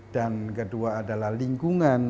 dan kedua adalah lingkungan